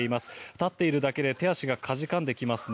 立っているだけで手足がかじかんできますね。